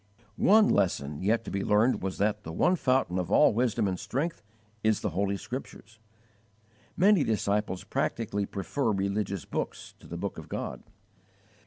One lesson, yet to be learned, was that the one fountain of all wisdom and strength is the Holy Scriptures. Many disciples practically prefer religious books to the Book of God.